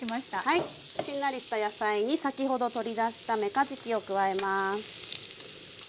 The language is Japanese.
はいしんなりした野菜に先ほど取り出しためかじきを加えます。